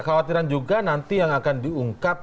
ada khawatiran juga nanti yang akan diungkap